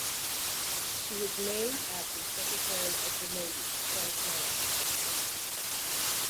She was named after Secretary of the Navy Frank Knox.